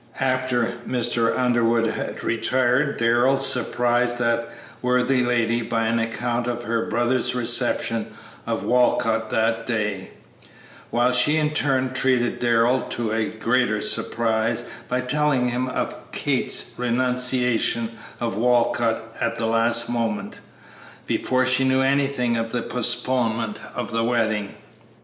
After Mr. Underwood had retired Darrell surprised that worthy lady by an account of her brother's reception of Walcott that day, while she in turn treated Darrell to a greater surprise by telling him of Kate's renunciation of Walcott at the last moment, before she knew anything of the postponement of the wedding.